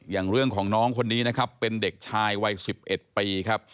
อย่างเรื่องของน้องคนนี้นะครับเป็นเด็กชายวัย๑๑ปีครับ